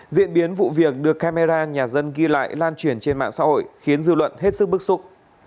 diễn biến vụ việc được camera nhà dân ghi lại lan truyền trên mạng xã hội khiến dư luận hết sức bức xúc